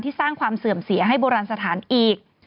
สร้างความเสื่อมเสียให้โบราณสถานอีก